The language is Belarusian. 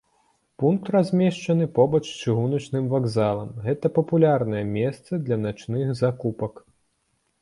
Пункт размешчаны побач з чыгуначным вакзалам, гэта папулярнае месца для начных закупак.